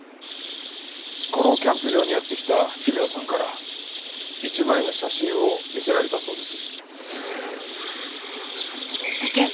このキャンプ場にやってきた日比野さんから一枚の写真を見せられたそうです。